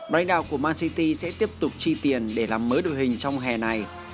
breakout của man city sẽ tiếp tục chi tiền để làm mới đội hình trong hè này